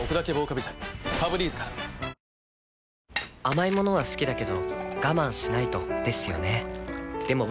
甘い物は好きだけど我慢しないとですよね